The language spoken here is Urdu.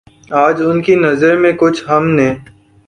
آج ان کی نظر میں کچھ ہم نے